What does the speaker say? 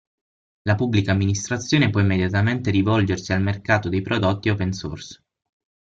La Pubblica Amministrazione può immediatamente rivolgersi al mercato dei prodotti open source.